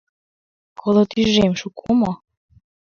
— Коло тӱжем шуко мо?